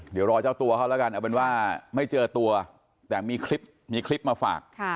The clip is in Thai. เดี๋ยวรอเจ้าตัวเขาแล้วกันเอาเป็นว่าไม่เจอตัวแต่มีคลิปมีคลิปมาฝาก